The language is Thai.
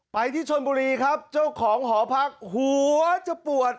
ไปที่ชนบุรีครับเจ้าของหอพักหัวจะปวด